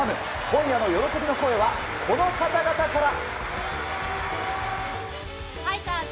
今夜の喜びの声はこの方々から。